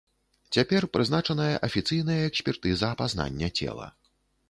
Цяпер прызначаная афіцыйная экспертыза апазнання цела.